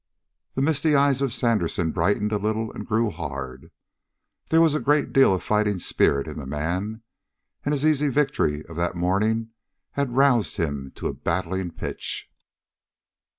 The misty eyes of Sandersen brightened a little and grew hard. There was a great deal of fighting spirit in the man, and his easy victory of that morning had roused him to a battling pitch.